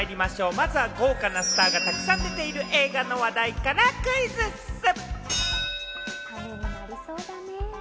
まずは豪華なスターがたくさん出ている映画の話題からクイズッス！